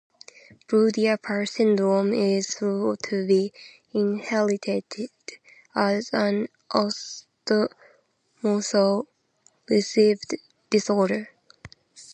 Blue diaper syndrome is thought to be inherited as an autosomal recessive disorder.